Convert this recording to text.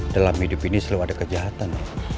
dalam hidup ini selalu ada kejahatan